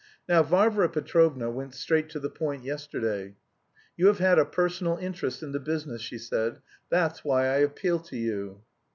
Now, Varvara Petrovna went straight to the point yesterday. 'You have had a personal interest in the business,' she said, 'that's why I appeal to you.'